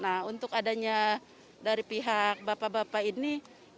nah untuk adanya dari pihak bapak bapak ini nah untuk adanya dari pihak bapak bapak ini